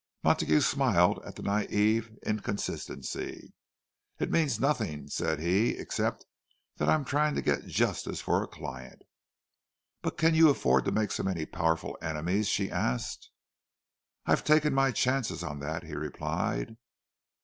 Montague smiled at the naïve inconsistency. "It means nothing," said he, "except that I am trying to get justice for a client." "But can you afford to make so many powerful enemies?" she asked. "I've taken my chances on that," he replied.